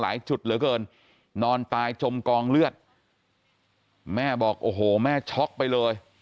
จุดเหลือเกินนอนตายจมกองเลือดแม่บอกโอ้โหแม่ช็อกไปเลย